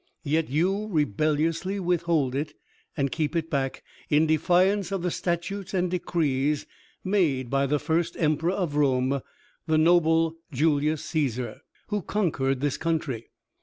Yet you rebelliously withhold it and keep it back, in defiance of the statutes and decrees made by the first Emperor of Rome, the noble Julius Caesar, who conquered this country.